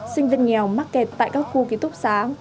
sinh viên nghèo mắc kẹt tại các khu ký túc xá